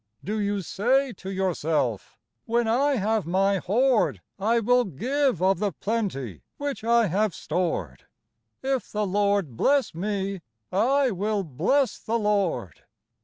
Do you say to yourself, "When I have my hoard, I will give of the plenty which I have stored, If the Lord bless me, I will bless the Lord"?